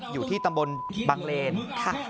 อยู่ที่ตำบลบังเลน